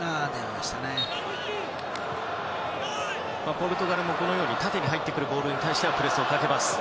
ポルトガルも縦に入ってくるボールに対してはプレスをかけます。